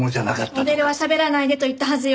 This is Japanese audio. モデルはしゃべらないでと言ったはずよ。